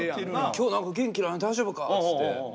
「今日元気ない大丈夫か？」っつって。